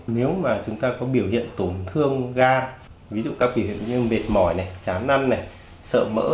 nếu mà chúng ta có biểu hiện tổn thương gan ví dụ các biểu hiện như mệt mỏi chán năn sợ mỡ